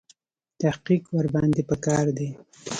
تحقیق ورباندې په کار دی.